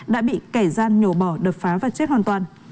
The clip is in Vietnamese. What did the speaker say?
đã bị kẻ gian nhổ bỏ đập phá và chết hoàn toàn